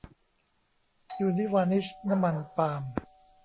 ยูนิวานิชน้ำมันปาล์ม